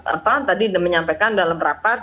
apaan tadi dia menyampaikan dalam rapat